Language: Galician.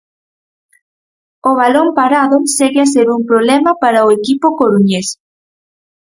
O balón parado segue a ser un problema para o equipo coruñés.